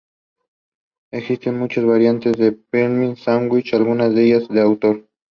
Existen muchas variantes del "pilgrim sandwich", algunas de ellas de autor.